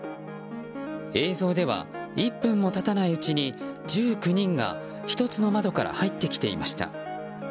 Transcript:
映像では１分も経たないうちに１９人が１つの窓から入ってきていました。